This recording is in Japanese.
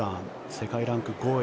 世界ランク５位。